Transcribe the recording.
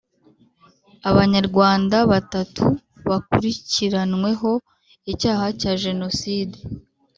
Abanyarwanda batatu bakurikiranweho icyaha cya Jenoside